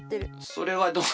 それはどう。